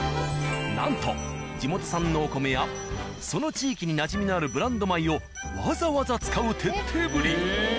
なんと地元産のお米やその地域になじみのあるブランド米をわざわざ使う徹底ぶり。